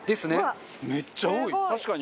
めっちゃ多い！